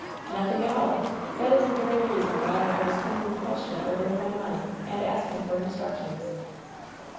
"Nothing at all! That is the very reason why I was turning the question over in my mind and asking for instructions."